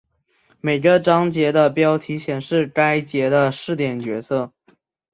每个章节的标题显示该节的视点角色。